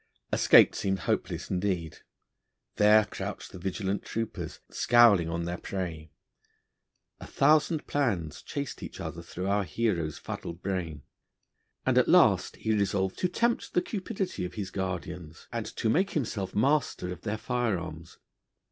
Escape seemed hopeless indeed; there crouched the vigilant troopers, scowling on their prey. A thousand plans chased each other through the hero's fuddled brain, and at last he resolved to tempt the cupidity of his guardians, and to make himself master of their fire arms.